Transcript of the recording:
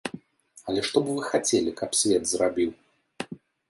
Але што б вы хацелі, каб свет зрабіў?